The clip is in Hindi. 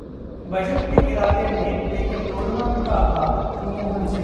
बजट के इरादे नेक, लेकिन रोडमैप का अभाव: मनमोहन सिंह